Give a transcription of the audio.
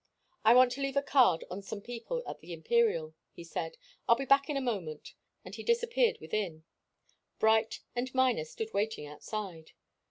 "I want to leave a card on some people at the Imperial," he said. "I'll be back in a moment." And he disappeared within. Bright and Miner stood waiting outside.